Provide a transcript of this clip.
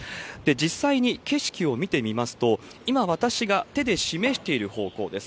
実際に景色を見てみますと、今私が手で示している方向です。